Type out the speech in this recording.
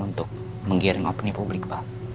untuk menggiring opini publik pak